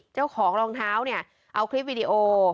เจ้าของรองเท้าเนี่ยเอาคลิปวิดีโอ